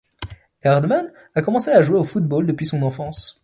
Herdman a commencé à jouer au football depuis son enfance.